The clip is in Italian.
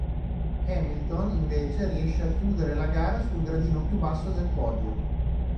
Hamilton invece riesce a chiudere la gara sul gradino più basso del podio.